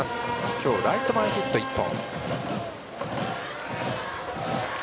今日、ライト前ヒット１本。